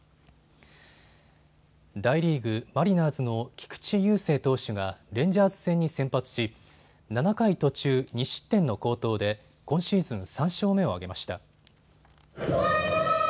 大リーグ、マリナーズの菊池雄星投手がレンジャーズ戦に先発し７回途中２失点の好投で今シーズン３勝目を挙げました。